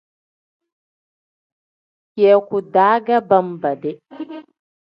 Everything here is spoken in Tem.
Kiyaku-daa ge benbeedi.